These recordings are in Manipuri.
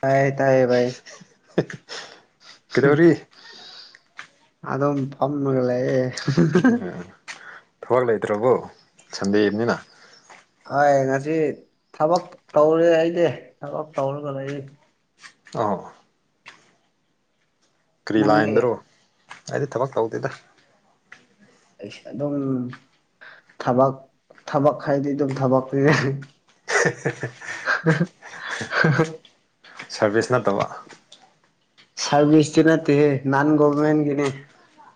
ꯇꯌꯦ ꯇꯥꯌꯦ ꯚꯏ ꯀꯗꯧꯔꯤ ꯑ ꯄꯝꯃꯦꯒꯦ ꯎꯝ ꯊꯕꯛ ꯂꯩꯇ꯭ꯔꯕꯣ ꯁꯟꯗꯦꯕꯅꯤꯅ ꯍꯣꯏ ꯉꯁꯤ ꯊꯕꯛ ꯇꯧꯔꯦ ꯑꯩꯗꯤ ꯊꯕꯛ ꯇꯧꯔꯒ ꯂꯩ ꯑ ꯀꯔꯤ ꯅꯪꯗꯤ ꯂꯥꯏꯟꯗꯔꯣ ꯑꯩꯗꯤ ꯊꯕꯛ ꯇꯧꯗꯦꯗ ꯑꯩꯁꯦ ꯑꯗꯨꯝ ꯊꯕꯛ ꯊꯕꯛ ꯈꯥꯏꯗꯤ ꯑꯗꯨꯝ ꯊꯕꯛ ꯄꯤꯔꯦ [unintelligible] [unintelligible] ꯁꯥꯔꯚꯤꯁ ꯅꯠꯇꯕ ꯁꯔꯚꯤꯁꯇ ꯅꯠꯇꯦꯍꯦ ꯅꯟ ꯒꯣꯔꯔꯃꯦꯟꯒꯤꯅꯦ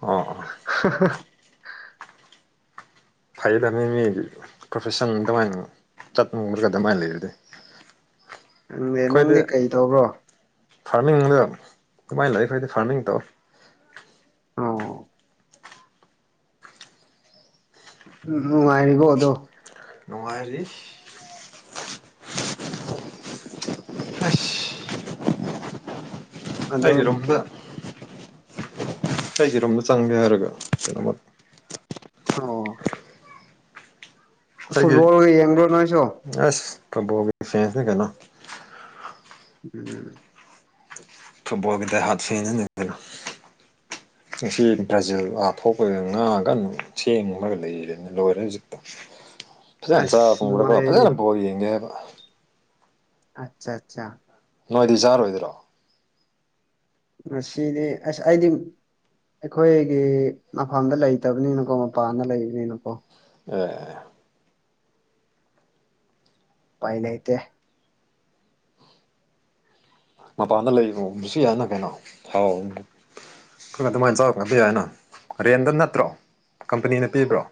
ꯑꯣ ꯑꯣ [unintelligible] ꯐꯩ ꯐꯃꯤ ꯃꯤ ꯄ꯭ꯔꯣꯐꯦꯁꯟ ꯑꯗꯨꯃꯥꯏꯅ ꯆꯠꯅꯤꯡꯕꯒ ꯑꯗꯨꯃꯥꯏꯅ ꯂꯩꯔꯗꯤ ꯅꯪꯅꯦ ꯅꯪꯗꯤ ꯑꯩꯈꯣꯏꯗꯤ ꯀꯩ ꯇꯧꯕ꯭ꯔꯣ ꯐꯥꯔꯃꯤꯡꯗ ꯀꯃꯥꯏꯅ ꯂꯩꯥꯛꯏ ꯑꯩꯈꯣꯏꯗꯤ ꯐꯥꯔꯃꯤꯡ ꯇꯧ ꯑꯣ ꯎꯝ ꯅꯨꯡꯉꯥꯏꯔꯤꯕꯣ ꯑꯗꯣ ꯅꯨꯡꯉꯥꯏꯔꯤ ꯑꯁ ꯑꯗꯣ ꯑꯩꯒꯤ ꯔꯨꯝꯗ ꯑꯩꯒꯤ ꯔꯨꯝꯗ ꯆꯪꯒꯦ ꯍꯥꯏꯔꯒ ꯀꯩꯅꯣꯃ ꯑꯣ ꯑꯩꯒꯤ ꯐꯨꯠꯕꯣꯜꯒ ꯌꯦꯡꯕ꯭ꯔꯣ ꯅꯣꯏꯁꯨ ꯑꯁ ꯀꯝꯕꯣꯒꯤ ꯗꯤꯐꯦꯟꯁꯅꯤ ꯀꯦꯅꯣ ꯎꯝ ꯐꯨꯠꯕꯣꯜꯒꯤ ꯗꯥꯏ ꯍꯔꯗ ꯐꯦꯟꯅꯤ ꯉꯁꯤ ꯕ꯭ꯔꯥꯖꯤꯜ ꯑꯥ ꯊꯣꯛꯄꯩꯗꯨ ꯉꯥ ꯀꯟꯅꯥ ꯁꯦꯝꯃꯤ ꯃꯔꯛ ꯂꯣꯏꯔꯦ ꯍꯧꯖꯤꯛꯇ ꯐꯖꯅ ꯆꯥꯕ ꯑꯁ ꯇꯨꯝꯒꯔꯒ ꯅꯨꯡꯉꯥꯏꯔꯦꯅꯦ ꯐꯖꯅ ꯕꯣꯜ ꯌꯦꯡꯒꯦ ꯍꯥꯏꯔꯒ ꯑꯆꯥ ꯑꯆꯥ ꯅꯣꯏꯗꯤ ꯆꯥꯔꯣꯏꯗ꯭ꯔꯣ ꯉꯁꯤꯗꯤ ꯑꯁ ꯑꯩꯗꯤ ꯑꯩꯈꯣꯏꯒꯤ ꯃꯐꯝꯗ ꯂꯩꯇꯕꯅꯤꯅꯀꯣ ꯃꯄꯥꯟꯗ ꯂꯩꯕꯅꯤꯅꯀꯣ ꯑꯣ ꯎꯄꯥꯏ ꯂꯩꯇꯦ ꯃꯄꯥꯟꯗ ꯂꯩꯕ꯭ꯔ‌ꯣ ꯁꯨ ꯌꯥꯅ ꯀꯩꯅꯣ ꯍꯥꯎ ꯈꯔꯥ ꯑꯗꯨꯃꯥꯏꯅ ꯆꯥꯎꯔꯗꯤ ꯌꯥꯏꯅ ꯔꯦꯟꯗ ꯅꯠꯇ꯭ꯔꯣ ꯀꯝꯄꯅꯤꯅ ꯄꯤꯕ꯭ꯔꯣ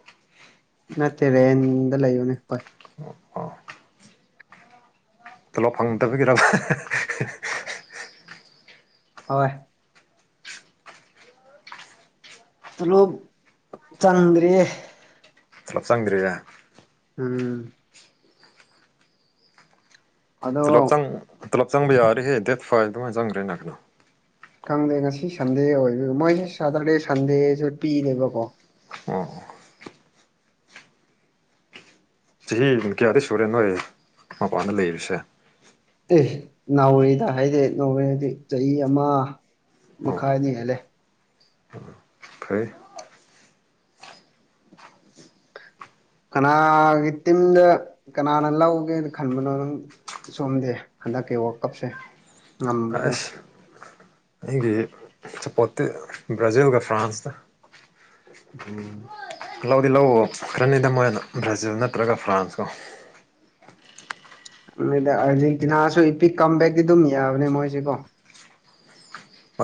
ꯅꯠꯇꯦ ꯔꯦꯟꯗ ꯂꯩꯏꯕꯅꯦ ꯍꯣꯏ [inaudible] ꯇꯣꯂꯣꯞ ꯐꯪꯗꯕꯤꯒꯤꯔꯕ ꯍꯣꯏ ꯇꯣꯂꯣꯞ ꯆꯟꯗ꯭ꯔꯤꯌꯦ ꯇꯣꯂꯣꯞ ꯆꯟꯗ꯭ꯔꯤꯌꯦ ꯎꯝ ꯑꯗꯣ ꯇꯣꯂꯣꯞ ꯆꯪ ꯇꯣꯂꯣꯞ ꯆꯪꯕ ꯌꯥꯕꯅꯤꯍꯦ ꯗꯦꯠ ꯑꯗꯨꯃꯥꯏꯅꯥ ꯆꯪꯒꯦꯅ ꯈꯪꯗꯦ ꯉꯁꯤ ꯁꯟꯗꯦ ꯑꯣꯏꯕ ꯃꯣꯏꯁꯦ ꯁꯇꯔꯗꯦ ꯁꯟꯗꯦꯁꯨ ꯄꯤꯗꯦꯕꯀꯣ ꯑꯣ ꯆꯍꯤ ꯀꯌꯥꯗꯤ ꯁꯨꯔꯦꯅꯣꯏ ꯃꯄꯅ ꯂꯩꯔꯤꯁꯦ ꯑꯦ ꯅꯥꯎꯔꯤꯗ ꯍꯥꯏꯗꯤ ꯅꯥꯎꯔꯤ ꯍꯥꯏꯗꯤ ꯆꯍꯤ ꯑꯃ ꯑꯣ ꯃꯈꯥꯏꯗ ꯍꯦꯜꯂꯦ ꯐꯩ ꯀꯅꯥꯒꯤ ꯇꯤꯝꯗ ꯀꯅꯥꯅ ꯂꯧꯒꯦꯅ ꯈꯟꯕꯅꯣ ꯅꯪ ꯁꯣꯝꯗꯤ ꯍꯟꯗꯛꯀꯤ ꯋꯥꯔꯀꯞꯁꯦ ꯉꯝꯕꯗꯣ ꯑꯁ ꯁꯥꯄꯣꯔꯠꯇꯤ ꯕꯔꯥꯖꯤꯜꯒ ꯐ꯭ꯔꯥꯟꯁꯀ ꯎꯝ ꯂꯧꯗꯤ ꯂꯧꯎ ꯈꯔꯅꯤꯗ ꯃꯣꯏꯅ ꯕ꯭ꯔꯥꯖꯤꯜ ꯅꯠꯇ꯭ꯔꯒ ꯐ꯭ꯔꯥꯟꯁꯀꯣ ꯑꯗꯨꯗ ꯑꯔꯖꯦꯟꯇꯤꯅꯥꯁꯨ ꯏꯄꯤꯛ ꯀꯝꯕꯦꯛꯇꯤ ꯑꯗꯨꯝ ꯌꯥꯕꯅꯦ ꯃꯣꯏꯁꯤꯀꯣ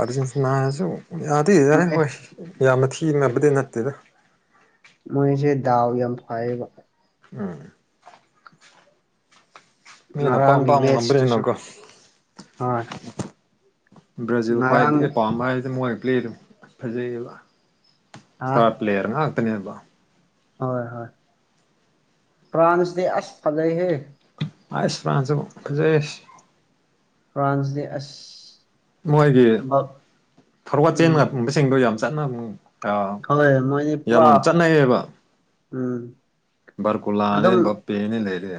ꯑꯔꯖꯦꯟꯇꯤꯅꯥꯁꯨ ꯌꯥꯗꯤ ꯌꯥꯔꯦ ꯃꯣꯏ ꯍꯈꯣꯏ ꯌꯥꯝꯅ ꯊꯤꯕꯗꯤ ꯅꯠꯇꯦꯗ ꯃꯣꯏꯁꯦ ꯗꯗꯥꯎ ꯌꯥꯝ ꯐꯩꯌꯦꯕ ꯎꯝ ꯃꯤꯅ ꯑꯄꯥꯝ ꯉꯔꯥꯡꯒꯤ ꯑꯄꯥꯝꯕ ꯃꯦꯆꯁꯇꯨꯁꯨ ꯉꯝꯕꯅꯤꯅꯀꯣ ꯍꯣꯏ ꯕ꯭ꯔꯥꯖꯤꯜ ꯉꯔꯥꯡ ꯈ꯭ꯋꯥꯏꯗꯒꯤ ꯄꯥꯝꯕ ꯍꯥꯏꯔꯥꯗꯤ ꯃꯣꯏ ꯄ꯭ꯂꯦ ꯑꯗꯨꯝ ꯐꯖꯩꯌꯦꯕ ꯑ ꯏꯁꯇꯔ ꯄꯂꯦꯌꯦꯔ ꯉꯛꯇꯅꯤꯕ ꯍꯣꯏ ꯍꯣꯏ ꯐ꯭ꯔꯥꯟꯁ ꯗ ꯑꯁ ꯐꯒꯩ ꯍꯦ ꯑꯁ ꯐ꯭ꯔꯟꯁꯨ ꯐꯖꯩꯌꯦ ꯐ꯭ꯔꯥꯟꯁꯗꯤ ꯑꯁ ꯃꯣꯏꯒꯤ ꯕꯛ ꯐꯣꯔꯋꯔꯗ ꯎꯝ ꯆꯦꯟꯕꯁꯤꯡꯗꯣ ꯌꯥꯝ ꯆꯟꯉꯝ ꯑꯥ ꯍꯣꯏ ꯃꯣꯏꯗꯤ ꯌꯥꯝ ꯄꯨꯔꯥ ꯆꯠꯅꯩꯌꯦꯕ ꯎꯝ ꯕꯔꯀꯨꯂꯥꯅꯦ ꯑꯗꯨꯝ ꯕꯞꯄꯦꯅꯦ ꯂꯩꯔꯦ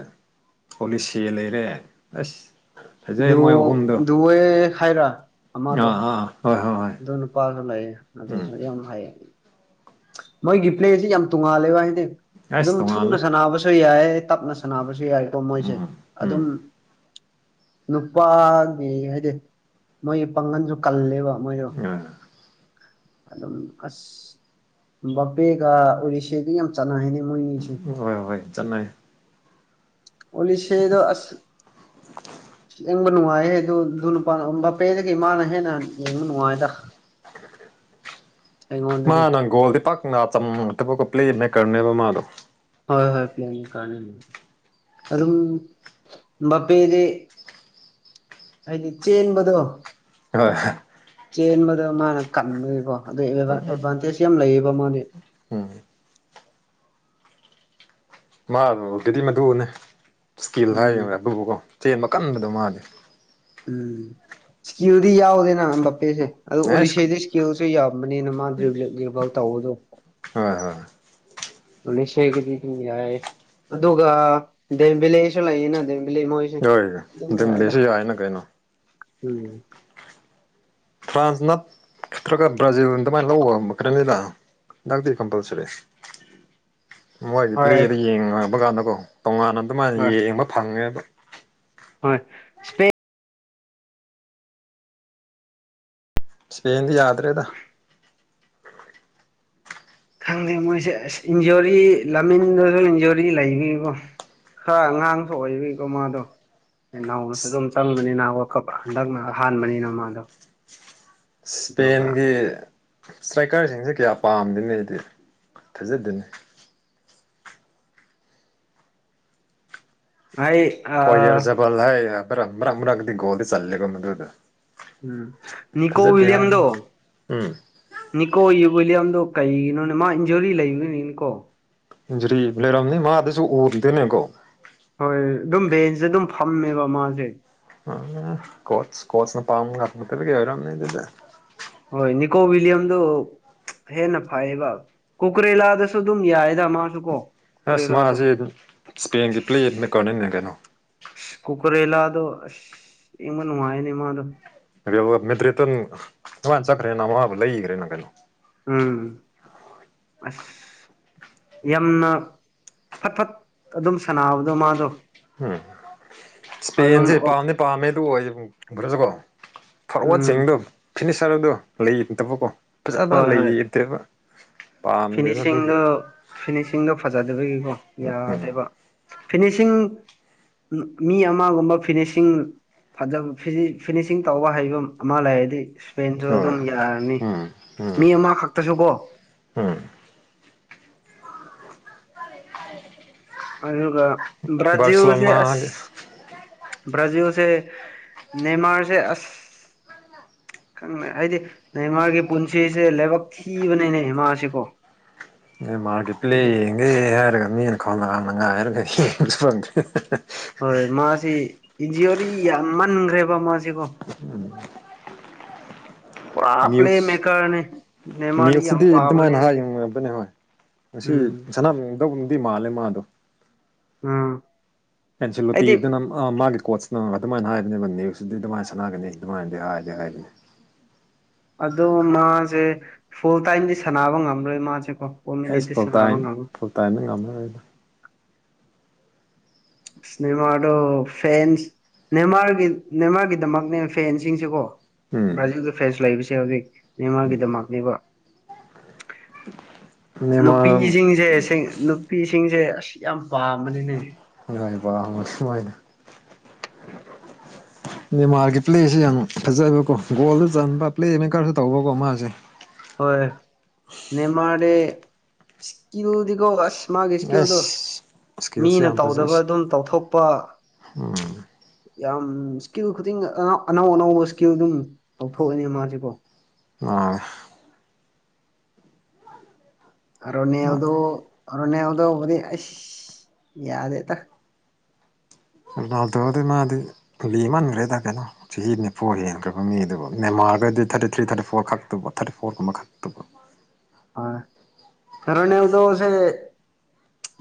ꯑꯣꯂꯤꯁꯦ ꯂꯩꯔꯦ ꯑꯁ ꯐꯖꯩ ꯃꯣꯏ ꯑꯍꯨꯝꯗꯣ ꯋ ꯍꯥꯏꯥꯏꯔ ꯑꯥ ꯑꯥ ꯍꯣꯏ ꯍꯣꯏ ꯍꯣꯏ ꯑꯗꯨ ꯅꯨꯄꯥꯁꯨ ꯂꯩꯑ ꯎꯝ ꯑꯗꯨꯁꯨ ꯌꯥꯝ ꯍꯥꯏꯩꯌꯦ ꯃꯣꯏꯒꯤ ꯄ꯭ꯂꯦꯁꯤ ꯌꯥꯝ ꯇꯣꯡꯉꯥꯜꯂꯦꯕ ꯍꯥꯏꯗꯤ ꯑꯁ ꯑꯗꯨꯝ ꯇꯣꯡꯉꯥꯜꯂꯦ ꯊꯨꯅ ꯁꯥꯟꯅꯕꯁꯨ ꯌꯥꯏ ꯇꯞꯅ ꯁꯥꯟꯅꯕꯁꯨ ꯌꯥꯏꯀꯣ ꯃꯣꯏꯁꯦ ꯎꯝ ꯎꯝ ꯑꯗꯨꯝ ꯅꯨꯄꯥꯒꯤ ꯍꯥꯏꯗꯤ ꯃꯣꯏꯒꯤ ꯄꯥꯡꯒꯟꯁꯨ ꯀꯜꯂꯦꯕ ꯃꯣꯏꯗꯣ ꯑ ꯑꯗꯨꯝ ꯑꯁ ꯕꯝꯕꯦꯒ ꯎꯔꯤꯁꯦꯒ ꯌꯥꯝ ꯆꯥꯟꯅ ꯍꯥꯏꯅꯤ ꯍꯣꯏ ꯍꯣꯏ ꯆꯥꯏ ꯑꯣꯂꯤꯤꯁꯗꯣ ꯑꯁ [unintelligible] ꯌꯦꯡꯕ ꯅꯨꯡꯉꯥꯏꯍꯦ ꯑꯗꯨ ꯑꯗꯨ ꯅꯨꯄꯥ ꯕꯥꯄꯦꯗꯒꯤ ꯃꯥꯃꯅ ꯍꯦꯟꯅ ꯌꯦꯡꯕ ꯅꯨꯡꯉꯥꯏꯗ ꯃꯥ ꯑꯩꯉꯣꯟꯗꯗꯤ ꯅꯪꯒꯣꯜꯗ ꯛ ꯉ ꯆ ꯊꯕꯛꯀ ꯄ꯭ꯂꯂꯤꯖ ꯃ ꯀꯔꯅꯦꯕ ꯃꯥꯗꯣ ꯍꯣꯏ ꯍꯣꯏ ꯄꯤ ꯀ ꯑꯗꯨ ꯑꯗꯨꯝ ꯄꯦꯦ ꯍꯥꯏꯗꯤ ꯆꯦꯟꯕꯗꯣ ꯍꯣꯏꯣꯏ ꯆꯦꯟꯕꯗ ꯃꯥꯅ ꯀꯟꯕꯅꯦꯀꯣ ꯑꯗꯨ ꯑꯦꯗꯚꯥꯟꯇꯦꯖ ꯌꯥꯝ ꯂꯩꯌꯦꯕ ꯃꯥꯗꯤ ꯎꯝ ꯃꯥꯒꯤꯗꯤ ꯃꯗꯨꯅꯦ ꯏꯁꯀꯤꯜ ꯍꯥꯏ ꯎꯝ ꯑꯗꯨꯕꯨꯀꯣ ꯆꯦꯟ ꯀꯟꯕꯗ ꯃꯥꯜꯂꯤꯦ ꯎꯝ ꯁꯌꯔꯤ ꯌꯥꯎꯗ ꯅ ꯄꯦꯁꯦ ꯑꯗꯨ ꯑꯦꯁ ꯑꯣꯂꯤꯁꯗ ꯏꯁꯀꯦꯜꯁꯨ ꯌꯥꯝꯕꯅꯤꯅ ꯃꯥ ꯔꯤꯚ ꯇꯧꯕꯗꯣ ꯍꯣꯏ ꯍꯣꯏ ꯀꯗꯤ ꯌꯥꯏ ꯑꯗꯨꯒ ꯗꯕꯤꯂꯦꯁ ꯂꯩꯅ ꯂꯩ ꯃꯣꯏꯁꯦ ꯑꯗꯨꯝ ꯍꯣꯏ ꯌꯥꯏꯗ ꯗꯤꯝꯂꯦꯁꯨ ꯌꯥꯏꯅ ꯀꯩꯅꯣ ꯎꯝ ꯐ꯭ꯔꯥꯟꯁ ꯅ ꯅꯠꯇ꯭ꯔꯒ ꯕ꯭ꯔꯥꯖꯤꯜꯅ ꯑꯗꯨꯃꯥꯏꯅ ꯂꯧꯕ ꯈꯔꯅꯤꯗ ꯍꯟꯗꯛꯇꯤ ꯀꯝꯄꯜꯁꯔꯤ ꯃꯣꯏꯒꯤ ꯍꯣꯏ ꯄ꯭ꯂꯦꯗ ꯌꯦꯡꯉꯕ ꯀꯥꯟꯗꯀꯣ ꯇꯣꯉꯥꯟꯅ ꯑꯗꯨꯃꯥꯏꯅ ꯍꯣꯏ ꯌꯦꯡꯕ ꯐꯪꯉꯦꯕ ꯍꯣꯏ ꯁꯄꯦ ꯏꯁꯄꯦꯟꯗꯤ ꯌꯥꯗ꯭ꯔꯦꯗ ꯈꯪꯗꯦ ꯃꯣꯏꯁꯦ ꯑꯁ ꯏꯟꯖꯣꯔꯤ ꯂꯝꯃꯤꯟꯗꯁꯨ ꯏꯟꯖꯣꯔꯤ ꯂꯩꯕꯤꯀꯣ ꯈꯔ ꯑꯉꯥꯡꯁꯨ ꯑꯣꯏꯔꯤꯀꯣ ꯃꯥꯗꯣ ꯅꯧꯅꯁꯨ ꯑꯗꯨꯝ ꯆꯪꯕꯅꯤꯅ ꯋꯥꯀꯞ ꯍꯟꯗꯛꯅ ꯍꯥꯟꯕꯅꯤꯅ ꯃꯥꯗꯣ ꯇꯧꯕ꯭ꯔꯥ ꯏꯁꯄꯦꯟꯒꯤ ꯏꯁꯇ꯭ꯔꯥꯏꯀꯔꯁꯤꯡꯁꯦ ꯀꯌꯥ ꯄꯥꯝꯗꯅ ꯑꯩꯗꯤ ꯊꯥꯖꯗꯅꯤ ꯑꯩ ꯑꯥ ꯍꯔ ꯆꯕꯜ ꯍꯥꯏꯕ꯭ꯔꯔ ꯑꯃꯔꯒꯗꯤꯒꯣꯜꯗꯤ ꯆꯜꯂꯦꯒꯣꯗꯨꯗ ꯎꯝ ꯅꯅꯤꯀꯣ ꯋꯂꯤꯌꯝꯗꯣ ꯎꯝ ꯅꯅꯤꯀꯣ ꯌ ꯋꯤꯂꯤꯌꯝꯗꯣ ꯀꯩꯒꯤꯅꯣꯅꯦ ꯃꯥ ꯏꯟꯖꯣꯔꯤ ꯂꯩꯕꯅꯤꯅꯤꯀꯣ ꯖꯔꯤ ꯂꯩꯔꯝꯅꯤ ꯃꯥꯗꯁꯨ ꯎꯔꯗꯅꯦ ꯀꯣ ꯍꯣꯏ ꯑꯗꯨꯝ ꯕꯦꯟꯁꯇ ꯑꯗꯨꯝ ꯐꯝꯃꯦꯕ ꯃꯥꯁꯦ ꯑꯆꯅ ꯄꯥꯎ ꯀꯔꯃꯇ ꯀꯦꯔꯗꯦ ꯍꯣꯏ ꯅꯤꯀꯣ ꯋꯂꯤꯌꯝꯗ ꯍꯦꯟꯅ ꯐꯩꯌꯦꯕ ꯀꯣꯀ꯭ꯔꯦꯂꯥꯗꯁꯨ ꯑꯗꯨꯝ ꯌꯥꯏꯗ ꯃꯥꯁꯨ ꯀꯣ ꯑꯁ ꯀꯨꯀꯔꯦꯂꯥꯗꯣ ꯃꯥꯁꯦ ꯏꯁꯄꯦꯟꯒꯤ ꯄ꯭ꯂꯦꯠꯅ ꯀꯧꯅꯅꯦ ꯀꯩꯅꯣ ꯀꯨꯀꯔꯦꯂꯗꯣ ꯏꯃꯅ ꯋꯥꯥꯏꯅꯦ ꯃꯥꯗ ꯦꯇ꯭ꯔꯦꯠꯇ ꯃꯉꯅ ꯆꯠꯈ꯭ꯔꯦꯅ ꯃꯕꯨ ꯂꯩꯈ꯭ꯔꯦꯅ ꯀꯩꯅꯣ ꯎꯝ ꯑꯁ ꯌꯥꯝꯅ ꯐꯠ ꯐꯠ ꯑꯗꯨꯝ ꯁꯥꯟꯅꯥꯅꯕꯗꯣ ꯃꯥꯗꯣ ꯎꯝ ꯑꯗꯨꯝ ꯏꯁꯄꯦꯟꯁꯦ ꯄꯥꯝꯗꯤ ꯄꯥꯝꯃꯦ ꯑꯗꯨ ꯑꯣꯏꯈ꯭ꯔꯁꯨꯀꯣ ꯎꯝ ꯐꯣꯔꯋꯥꯗꯁꯤꯡꯗꯣ ꯐꯤꯅꯤꯆꯔꯗꯣ ꯂꯩꯇꯕꯀꯣ ꯐꯖꯕ ꯍꯣꯏ ꯍꯣꯏ ꯂꯩꯇ꯭ꯔꯦꯕ ꯐꯤꯅꯤꯁꯤꯡꯗꯣ ꯐꯤꯅꯤꯁꯤꯡꯗꯣ ꯐꯖꯗꯕꯒꯤꯀꯣ ꯎꯝ ꯌꯥꯗꯦꯕ ꯐꯤꯅꯤꯁꯤꯡ ꯃꯤ ꯑꯃꯒꯨꯝꯕ ꯐꯤꯅꯤꯁꯤꯡ ꯐꯖꯕ ꯐꯤꯅꯤꯁꯤꯡ ꯇꯧꯕ ꯍꯩꯕ ꯑꯃ ꯂꯩ ꯑꯗꯤ ꯄꯦꯟꯁꯨ ꯍꯣꯏ ꯑꯗꯨꯝ ꯌꯥꯔꯅꯤ ꯎꯝ ꯎꯝ ꯃꯤ ꯑꯃꯈꯛꯇꯁꯨꯕꯣ ꯎꯝ ꯑꯗꯨ ꯕꯥꯖꯜꯁꯦꯁ ꯕꯥꯔꯁꯦꯂꯣꯅꯥꯒꯤ ꯕꯥꯖꯤꯜꯁꯦ ꯃꯦꯃꯔꯁꯦ ꯑꯁ ꯈꯪꯅ ꯍꯥꯏꯗꯤ ꯅꯍꯤꯃꯥꯔꯒꯤ ꯄꯨꯟꯁꯤꯁꯦ ꯂꯥꯏꯕꯛ ꯊꯤꯕꯅꯤꯅꯦꯍꯦꯃꯥꯁꯤꯀꯣ ꯑꯦ ꯃꯥꯒꯤ ꯄ꯭ꯂꯦ ꯌꯦꯉꯦ ꯌꯥꯔꯛꯅꯤ ꯀ ꯅꯉꯔ ꯀ ꯐ ꯌꯥꯝ ꯃꯟꯈ꯭ꯔꯦꯕ ꯃꯥꯁꯤꯕꯣ ꯄꯨꯔꯥ ꯄ꯭ꯂꯦ ꯨꯁ ꯃꯦꯀꯔꯅꯦ ꯅꯦꯃꯥꯔꯗꯤ ꯅ꯭ꯌꯨꯁꯇꯗꯤ ꯌꯥꯝ ꯄꯥꯝꯕꯅꯦ ꯑꯗꯨꯃꯥꯏꯅ ꯑꯩꯗꯤ ꯍꯥꯏꯅꯤ ꯍꯣꯏ ꯉꯁꯤ ꯎꯝ ꯁꯅꯥꯝꯗꯧꯗꯤ ꯃꯥꯜꯂꯦ ꯃꯥꯗꯣ ꯑꯥ ꯄꯁꯤꯜꯂꯣꯇꯤ ꯏ ꯑꯗꯨ ꯅ ꯀꯣꯆꯅ ꯑꯗꯨꯃꯥꯏꯅ ꯍꯥꯏꯗꯅꯦꯕ ꯅ꯭ꯌꯨꯁꯇꯗꯤ ꯑꯗꯨꯃꯥꯏꯅ ꯁꯥꯟꯅꯒꯅꯤ ꯑꯗꯨꯃꯥꯏꯅꯗꯤ ꯍꯥꯏꯗꯤ ꯍꯥꯏꯗꯅꯤ ꯑꯣ ꯃꯥꯁꯦ ꯐꯨꯜ ꯇꯥꯏꯝꯗꯤ ꯁꯥꯟꯅꯕ ꯉꯝꯂꯣꯏ ꯃꯥꯁꯦ ꯑꯩꯁ ꯑꯣꯄꯃꯤꯅꯦꯗꯤꯁ ꯐꯨꯜ ꯂꯥꯕ ꯇꯥꯏꯝ ꯉꯣ ꯐꯨꯜ ꯇꯥꯏꯝꯗ ꯉꯝꯃꯔꯣꯏꯗ ꯁꯅꯦꯃꯥꯗꯣ ꯐꯦꯦꯟꯁ ꯅꯦꯃꯥꯔꯒꯤ ꯅꯦꯃꯥꯔꯒꯤꯗꯃꯛꯅꯦ ꯐꯦꯟꯁꯤꯡꯁꯤꯦꯀꯣ ꯎꯝ ꯕ꯭ꯔꯥꯖꯤꯜꯒꯤ ꯐ꯭ꯔꯦꯟꯁ ꯂꯩꯕꯁꯦ ꯍꯧꯖꯤꯛ ꯃꯦꯟꯃꯥꯔꯒꯤꯗꯃꯛꯅꯦꯕ ꯅꯦꯃꯥꯔ ꯅꯨꯄꯤꯁꯤꯡꯁꯦꯦꯡ ꯅꯨꯄꯤꯁꯤꯡꯁꯦ ꯑꯁ ꯌꯥꯝ ꯄꯥꯝꯕꯅꯤꯅꯦ ꯌꯥꯕ ꯃꯣꯏꯁꯨꯃꯅ ꯃꯦꯟꯃꯥꯔꯒꯤ ꯄ꯭ꯂꯦꯁꯤꯦ ꯌꯥꯝ ꯐꯖꯕꯀꯣ ꯒꯣꯜꯗ ꯆꯟꯕ ꯄ꯭ꯂꯦ ꯃꯦꯀꯔꯁꯨ ꯇꯧꯕꯀꯣ ꯃꯥꯁꯦ ꯍꯣꯏ ꯅꯦꯃꯔꯦ ꯁꯀꯤꯌꯗꯤꯀꯁ ꯃꯥꯒꯤ ꯏꯁꯀꯤꯜꯗꯣ ꯑꯁ ꯏꯁꯀꯤꯜꯁꯦ ꯃꯤꯅ ꯌꯥꯝ ꯇꯧꯗꯕ ꯐꯖꯩ ꯑꯗꯨꯝ ꯇꯧꯊꯣꯛꯄ ꯎꯝ ꯌꯥꯝ ꯏꯁꯀꯤꯜ ꯈꯨꯗꯤꯡ ꯑꯅꯧ ꯑꯅꯧꯕ ꯏꯁꯀꯤꯜ ꯑꯗꯨꯝ ꯂꯧꯊꯣꯛꯑꯅꯤ ꯃꯥꯁꯦꯀꯣ ꯎꯝ ꯑꯔꯅꯗꯣ ꯑꯔꯅꯎꯗꯣ ꯑꯣꯏꯁ ꯌꯥꯗꯦꯇꯥ [inaudible] ꯔꯣꯅꯥꯜ ꯇꯣꯗꯤ ꯃꯥꯗꯤ ꯂꯤꯃꯥꯟꯈ꯭ꯔꯦꯗ ꯀꯩꯅꯣ ꯆꯍꯤ ꯅꯤꯐꯨ ꯍꯦꯟꯈ꯭ꯔꯕ ꯃꯤꯗꯨꯕꯨ ꯅꯦꯝꯃꯑꯒꯗꯤ ꯊꯥ ꯊꯥꯔꯇꯤ ꯊ꯭ꯔꯤ ꯊꯥꯔꯇꯤ ꯐꯣꯔ ꯈꯛꯇꯨꯕ ꯊꯥꯔꯇꯤ ꯐꯣꯔ ꯀꯨꯝꯕ ꯈꯛꯇꯕ ꯁꯔꯅꯗꯁ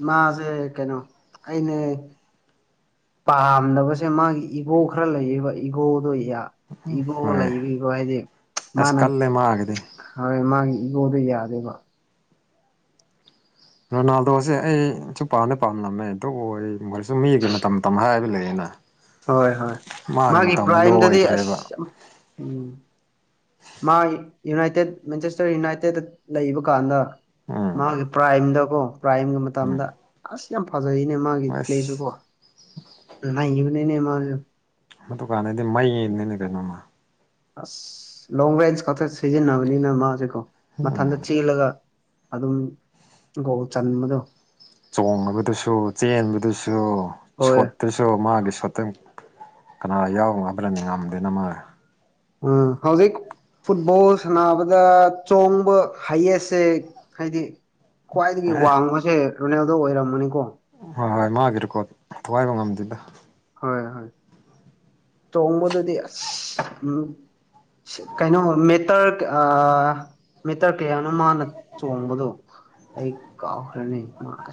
ꯃꯥꯁꯦ ꯀꯩꯅꯣ ꯑꯅꯦ ꯄꯥꯝꯗꯕꯁꯦ ꯃꯥꯒꯤ ꯏꯒꯣ ꯈꯔ ꯂꯩꯌꯦꯕ ꯏꯒꯣꯗꯣ ꯏꯒꯣ ꯍꯣꯏ ꯂꯩꯕꯤꯕꯣ ꯍꯥꯏꯗꯤ ꯑꯁ ꯃꯥꯅ ꯀꯜꯂꯦ ꯃꯥꯒꯤꯗꯤ ꯍꯣꯏ ꯃꯥꯒꯤ ꯑꯩꯉꯣꯗ ꯌꯥꯗꯦꯕ ꯔꯣꯅꯥꯜꯗꯣꯁꯦ ꯑꯩꯁꯨ ꯄꯥꯝꯅꯩ ꯄꯥꯝꯂꯝꯃꯦ ꯑꯝꯇ ꯑꯣꯏ ꯃꯣꯏꯁꯨ ꯃꯤꯒꯤ ꯃꯇꯝ ꯃꯇꯝ ꯍꯥꯏꯕ ꯂꯩ ꯍꯣꯏ ꯍꯣꯏ ꯃꯥꯒꯤ ꯃꯇꯝꯗ ꯄ꯭ꯔꯥꯏꯝꯗꯗꯤ ꯂꯣꯏꯈ꯭ꯔꯦꯕ ꯑꯁ ꯎꯝ ꯃꯥ ꯌꯨꯅꯥꯏꯇꯦꯠ ꯃꯦꯟꯆꯦꯁꯇꯔ ꯌꯨꯅꯥꯏꯇꯦꯠꯇ ꯂꯩꯕ ꯀꯥꯟꯗ ꯎꯝ ꯃꯥꯒꯤ ꯄ꯭ꯔꯥꯏꯝꯗꯀꯣ ꯄ꯭ꯔꯥꯏꯝꯒꯤ ꯃꯇꯝꯗ ꯎꯝ ꯑꯁ ꯌꯥꯝ ꯐꯖꯥ ꯐꯖꯅꯦ ꯃꯥꯒꯤ ꯑꯁ ꯄ꯭ꯂꯦꯁꯨꯀꯣ ꯂꯩꯈꯤꯕꯅꯤꯅꯦ ꯃꯥꯁꯨꯦ ꯑꯗꯨꯗꯨ ꯀꯥꯟꯅꯩꯗꯤ ꯃꯩ ꯌꯦꯅꯤꯅꯦ ꯀꯩꯅꯣꯃ ꯑꯁ ꯂꯣꯡ ꯔꯦꯟꯖ ꯈꯛꯇ ꯁꯤꯖꯤꯟꯅꯕꯅꯤꯅ ꯃꯥꯁꯦꯀꯣ ꯃꯊꯟꯇ ꯎꯝ ꯆꯦꯜꯂꯒ ꯑꯗꯨꯝ ꯒꯣꯜ ꯆꯟꯕꯗꯣ ꯆꯣꯡꯉꯕꯗꯨꯁꯨ ꯆꯦꯟꯕꯗꯨꯁꯨ ꯍꯣꯏ ꯁꯣꯠꯇꯨꯁꯨ ꯃꯥꯒꯤꯁꯨ ꯐꯠꯇꯪ ꯀꯅꯥ ꯌꯥꯎꯕ ꯉꯕꯂꯗꯤ ꯉꯝꯗꯦꯅ ꯃꯥꯜꯂꯦ ꯑ ꯍꯧꯥꯎꯖꯤ ꯐꯨꯠꯕꯣꯜ ꯁꯥꯟꯅꯕꯗ ꯆꯣꯡꯕ ꯍꯥꯏꯌꯦꯁꯁꯦ ꯍꯥꯏꯗꯤ ꯈ꯭ꯋꯥꯏꯗꯒꯤ ꯑꯦ ꯋꯥꯡꯕꯁꯦ ꯔꯣꯅꯦꯜꯗꯣ ꯑꯣꯏꯔꯝꯃꯅꯤꯀꯣ ꯍꯣꯏ ꯍꯣꯏ ꯃꯥꯒꯤꯔꯀꯣ ꯊꯒꯥꯏꯕ ꯉꯝꯗꯦꯗ [unintelligible] ꯇꯣꯡꯉꯕꯗꯗꯤ ꯎꯝ ꯀꯩꯅꯣ ꯃꯦꯇꯔ ꯑ ꯃꯦꯇꯔ ꯀꯌꯥꯅꯣ ꯃꯥꯅ ꯆꯣꯡꯕꯗꯣ ꯑꯩ ꯀꯥꯎꯈ꯭ꯔꯅꯤ ꯃꯥꯁ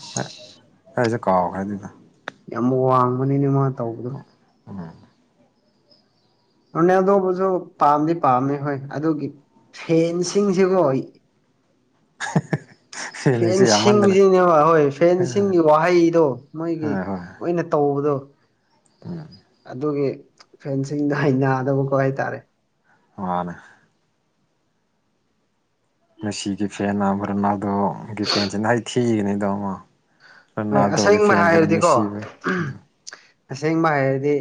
ꯀꯁꯦ ꯀꯥꯎꯈ꯭ꯔꯗꯅ ꯌꯥꯝ ꯋꯥꯡꯕꯅꯤꯅꯦ ꯃꯥ ꯇꯧꯕꯗꯣ ꯑ [unintelligible] ꯑꯗꯨꯣꯔꯅꯦ ꯑꯗꯣꯕꯨꯁꯨ ꯄꯥꯝꯗꯤ ꯄꯥꯝꯃꯦ ꯍꯣꯏ ꯑꯗꯨꯒꯤ ꯐꯦꯟꯁꯤꯡꯁꯤꯕꯨꯣ ꯍ [unintelligible] ꯐꯦꯟꯁꯤꯡꯁꯤꯅꯦꯕ ꯍꯣꯏ ꯐꯦꯟꯁꯤꯡꯒꯤ ꯋꯥꯍꯩꯗꯣ ꯃꯣꯏꯒꯤ ꯍꯣꯏ ꯍꯣꯏ ꯂꯣꯏꯅ ꯇꯧꯕꯗꯣ ꯎꯝ ꯑꯗꯨꯒꯤ ꯐꯦꯟꯁꯤꯡꯗ ꯍꯩꯅꯗꯕꯀꯣ ꯍꯥꯏꯇꯥꯔꯦ ꯑꯅ ꯉꯁꯤꯒꯤ ꯐꯦꯟꯝꯕ꯭ꯔ ꯅꯗꯣꯒꯤ ꯐꯦꯟꯁꯤ ꯅꯍ ꯊꯤꯒꯅꯤꯗꯃ ꯍꯣꯏ ꯑꯁꯦꯡꯕ ꯍꯥꯏꯔꯗꯤꯀꯣ ꯑꯁꯦꯡꯕ ꯍꯥꯏꯔꯗꯤ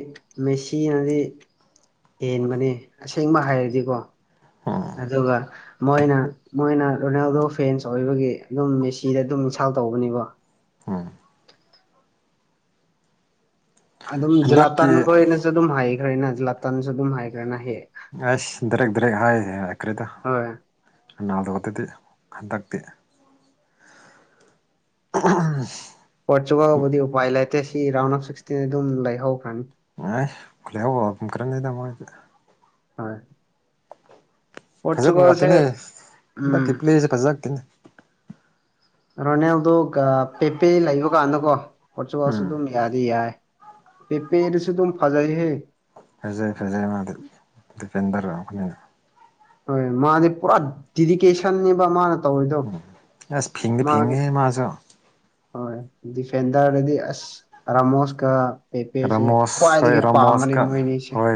ꯃꯦꯁꯤꯅꯗꯤ ꯍꯦꯟꯕꯅꯤ ꯑꯁꯦꯡꯕ ꯍꯥꯏꯔꯗꯤꯀꯣ ꯎꯝ ꯑꯗꯨꯒ ꯃꯣꯏꯅ ꯃꯣꯏꯅ ꯔꯣꯅꯥꯜꯗꯣ ꯐꯦꯟꯁ ꯑꯣꯏꯕꯒꯤ ꯑꯗꯨꯝ ꯃꯦꯁꯤꯗ ꯑꯗꯨꯝ ꯏꯁꯥ ꯇꯧꯕꯅꯤꯕꯣ ꯍꯝ ꯑꯗꯨꯝ ꯍꯟꯗꯛꯀꯤ ꯖꯂꯥꯇꯥꯟ ꯈꯣꯏꯅꯁꯨ ꯑꯗꯨꯝ ꯍꯥꯏꯈ꯭ꯔꯦꯅ ꯖꯂꯥꯇꯥꯟꯁꯨ ꯑꯗꯨꯝ ꯍꯥꯏꯈ꯭ꯔꯦꯅ ꯍꯦꯛ ꯑꯁ ꯗꯔꯦꯦꯛ ꯗꯔꯦꯦꯛ ꯍꯥꯏꯈ꯭ꯔꯦꯗ ꯍꯣꯏ ꯅꯅꯥꯜꯗ ꯑꯗꯨꯗꯤ ꯍꯟꯗꯛꯇꯤ ꯄꯣꯔꯆꯨꯒꯜꯕꯨꯗꯤ ꯎꯄꯥꯏ ꯂꯩꯇꯦ ꯁꯤ ꯔꯥꯎꯟ ꯑꯣꯐ ꯁꯤꯛꯁꯇꯤꯟ ꯑꯗꯨꯝ ꯂꯩꯍꯧꯈ꯭ꯔꯅꯤ ꯍꯣꯏ ꯈꯨꯂꯍꯥꯎꯕꯨꯝ ꯈ꯭ꯔꯅꯤꯗꯃꯣꯏꯁꯦ ꯍꯣꯏ ꯄꯣꯔꯆꯨꯒꯜꯁꯦ ꯐꯖꯛꯅꯅꯨꯡꯉꯇꯅꯦ ꯎꯝ ꯀꯠ꯭ꯂꯁꯦ ꯐꯖꯇꯅꯦ ꯔꯣꯅꯦꯜꯗꯨ ꯄꯦꯄꯦ ꯂꯩꯕꯀꯥꯟꯗꯀꯣ ꯄꯣꯔꯆꯨꯒꯥꯜꯁꯨ ꯎꯝ ꯑꯗꯨꯝ ꯌꯥꯗꯤ ꯌꯥꯏ ꯍꯦ ꯄꯦꯔꯁꯨ ꯇꯝ ꯐꯖꯏ ꯍꯦ ꯐꯖꯩ ꯐꯖꯩ ꯃꯥꯗꯤ ꯗꯤꯄꯦꯟ ꯇꯧꯔꯛꯑꯕꯅꯤꯅ ꯍꯣꯏ ꯃꯥꯗꯤ ꯄꯨꯔꯥ ꯗꯦꯗꯤꯀꯦꯁꯟꯅꯤꯕ ꯃꯥ ꯑꯁ ꯐꯤꯗꯦ ꯐꯤꯡꯗꯦ ꯃꯥꯁꯨ ꯍꯣꯏ ꯗꯤꯐꯦꯟꯗꯔꯗꯗꯤ ꯑꯁ ꯑꯔꯥꯃꯣꯁꯀꯥ ꯄꯦꯄꯦꯁꯦ ꯔꯥꯃꯣꯁ ꯍꯣꯏ ꯈ꯭ꯋꯥꯏꯗꯒꯤ ꯄꯥꯝꯕꯅꯦ ꯔꯥꯃꯣꯁꯀ ꯃꯣꯏꯅꯤꯁꯦ ꯍꯣꯏ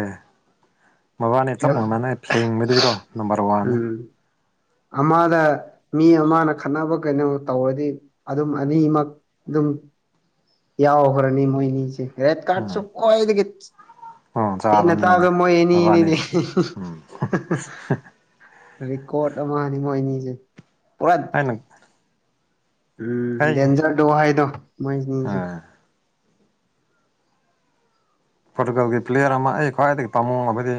ꯃꯕꯥꯅꯤ ꯆꯞ ꯃꯥꯟꯅꯅꯦ ꯐꯦꯡꯕꯗꯔꯤꯀꯣ ꯅꯝꯕꯔ ꯋꯥꯟꯅ ꯎꯝ ꯑꯃꯗ ꯃꯤ ꯑꯃꯅ ꯈꯠꯅꯕ ꯀꯩꯅꯣ ꯇꯧꯔꯗꯤ ꯑꯗꯨꯝ ꯑꯅꯤꯃꯛ ꯌꯥꯎꯈ꯭ꯔꯅꯤ ꯃꯣꯏꯅꯤꯁꯦ ꯔꯦꯠ ꯀꯥꯁꯨ ꯎꯝ ꯈ꯭ꯋꯥꯏꯗꯒꯤ ꯃꯔꯣꯝ ꯍ ꯆꯥꯕ ꯅꯠꯇ ꯃꯤꯅꯦ ꯑꯒꯃꯑꯣ ꯑꯦꯅꯤ ꯏꯅꯦ ꯃꯕꯥꯅꯤꯁꯦ ꯎꯝ ꯔꯦꯀꯣꯔꯠ ꯑꯃꯅꯤꯅꯤ ꯃꯣꯏ ꯑꯅꯤꯁꯦ ꯄꯨꯔꯠ ꯑꯩꯅ ꯎꯝ ꯑꯩ ꯗꯦꯟꯖꯔꯗꯣ ꯍꯥꯏꯗꯣ ꯑ ꯃꯣꯏꯅꯤꯁꯦ ꯄꯣꯔꯇꯨꯒꯜꯒꯤ ꯄ꯭ꯂꯦꯌꯔ ꯑꯃ ꯑꯩ ꯈ꯭ꯋꯥꯏꯗꯒꯤ ꯄꯥꯃꯨꯡꯕꯗꯤ